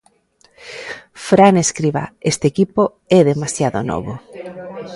Fran Escribá: Este equipo é demasiado novo.